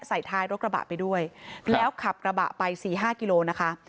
ใส่ท้ายรถกระบะไปด้วยแล้วขับกระบะไปสี่ห้ากิโลนะคะ